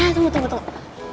tunggu tunggu tunggu